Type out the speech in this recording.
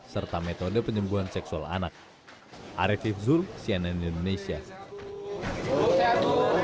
baik sejenis maupun heteroseksual